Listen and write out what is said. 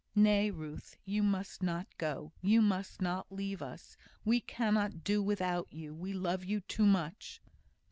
"Nay, Ruth, you must not go. You must not leave us. We cannot do without you. We love you too much."